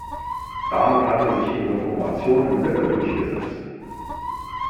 Damit hatte sich die Reformation in Lippe durchgesetzt.